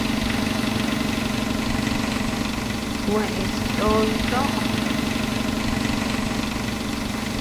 Kues noʼos toʼö.